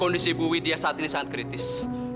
kondisi ibu widya saat ini sangat kritis